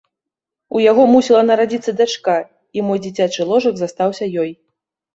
У яго мусіла нарадзіцца дачка, і мой дзіцячы ложак застаўся ёй.